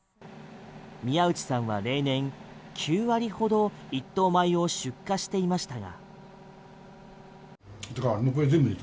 宮内さんは例年、９割ほど一等米を出荷していましたが。